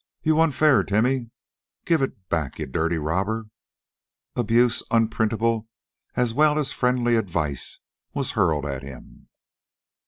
"You won fair, Timmy!" "Give it back, you dirty robber!" Abuse unprintable as well as friendly advice was hurled at him.